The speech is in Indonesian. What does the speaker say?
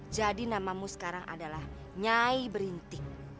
jadi namamu sekarang adalah nyai berintik